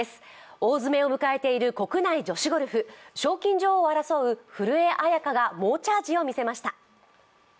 大詰めを迎えている国内女子ゴルフ、賞金女王を争う古江彩佳が猛チャージを見せました。